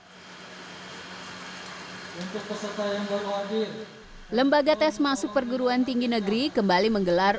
hai untuk peserta yang berwajib lembaga tes masuk perguruan tinggi negeri kembali menggelar